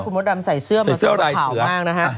ใช่แล้วคุณมธรรมใส่เสื้อมาสรุปข่าวมากนะฮะ